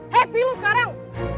happy lu sekarang